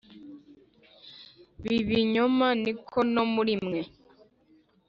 b ibinyoma ni ko no muri mwe